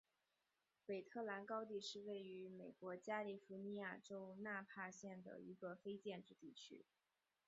韦特兰高地是位于美国加利福尼亚州纳帕县的一个非建制地区。